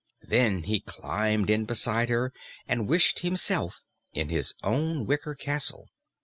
Then he climbed in beside her and wished himself in his own wicker castle.